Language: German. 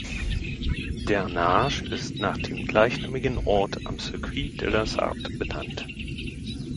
Der Arnage ist nach dem gleichnamigen Ort am Circuit de la Sarthe benannt.